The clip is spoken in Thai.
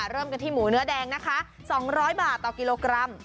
เริ่มกันที่หมูเนื้อแดงนะคะ๒๐๐บาทต่อกิโลกรัม